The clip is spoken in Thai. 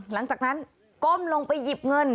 หลังจากนั้นก้มลงไปหยิบเงิน